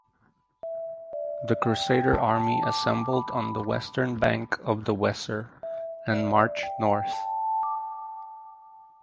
The crusader army assembled on the western bank of the Weser and march north.